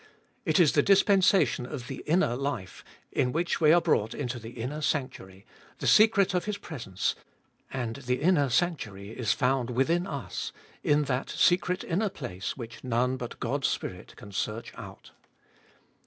It is the dispensation of the inner life, in which we are brought into the inner sanctuary, the secret of His presence, and the inner sanctuary is found within us, — in that secret inner place which none but God's Spirit can search out.